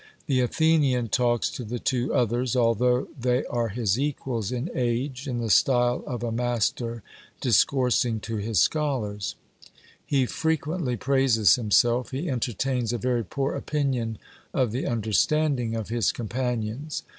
The Athenian talks to the two others, although they are his equals in age, in the style of a master discoursing to his scholars; he frequently praises himself; he entertains a very poor opinion of the understanding of his companions.